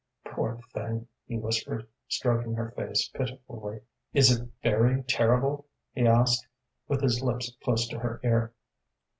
"Poor thing," he whispered, stroking her face pitifully. "Is it very terrible?" he asked, with his lips close to her ear.